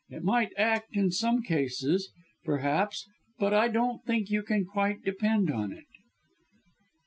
"It might act in some cases, perhaps, but I don't think you can quite depend on it."